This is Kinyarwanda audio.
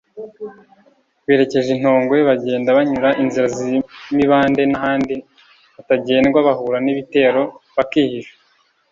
Berekeje i Ntongwe bagenda banyura inzira z’imibande n’ahandi hatagendwa bahura n’ibitero bakihisha